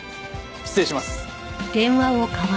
失礼します。